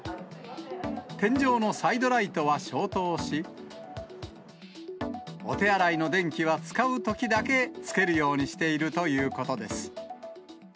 天井のサイドライトは消灯し、お手洗いの電気は使うときだけつけるようにしているということです。